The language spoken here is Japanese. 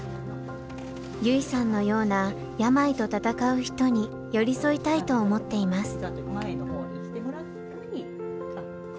優生さんのような病と闘う人に寄り添いたいと思っています。